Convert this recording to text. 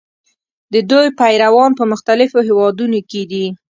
د دوی پیروان په مختلفو هېوادونو کې دي.